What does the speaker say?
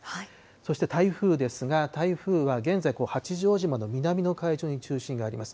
そして台風ですが、台風は現在、八丈島の南の海上に中心があります。